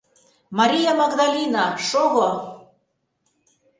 Мария Магдалина, шого!